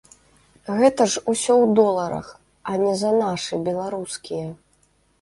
Гэта ж усё ў доларах, а не за нашы беларускія!